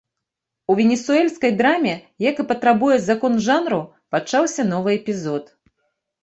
У венесуэльскай драме, як і патрабуе закон жанру, пачаўся новы эпізод.